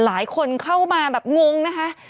หลายคนเข้ามาแบบงงนะคะ